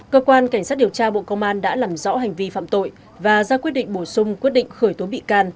cơ quan cảnh sát điều tra bộ công an đã làm rõ hành vi phạm tội và ra quyết định bổ sung quyết định khởi tố bị can